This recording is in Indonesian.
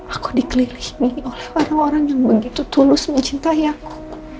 aku dikelilingi oleh orang orang yang begitu tulusnya cintai aku